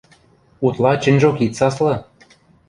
– Утла чӹньжок ит саслы...